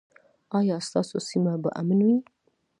ایا ستاسو سیمه به امن وي؟